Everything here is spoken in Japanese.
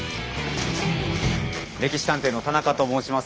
「歴史探偵」の田中と申します。